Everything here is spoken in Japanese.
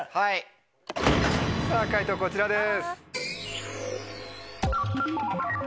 さぁ解答こちらです。